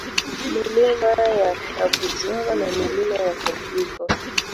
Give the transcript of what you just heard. Milima ya Kabuzora na Milima ya Kabwiko